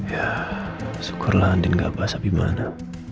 ya syukurlah andien gak bahas abimana